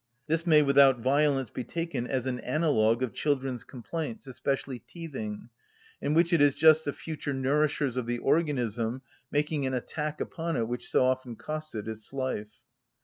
This may without violence be taken as an analogue of children's complaints, especially teething, in which it is just the future nourishers of the organism making an attack upon it which so often costs it its life.